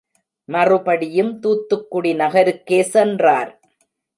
மறுபடியும் துத்துக்குடி நகருக்கே சென்றார்.